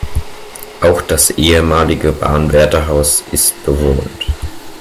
Auch das ehemalige Bahnwärterhaus ist bewohnt.